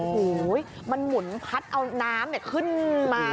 โอ้โหมันหมุนพัดเอาน้ำขึ้นมา